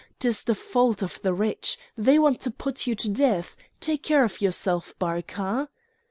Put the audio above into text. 'Tis the fault of the rich! they want to put you to death! Take care of yourself, Barca!"